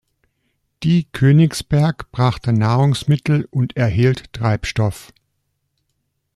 Die "Königsberg" brachte Nahrungsmittel und erhielt Treibstoff.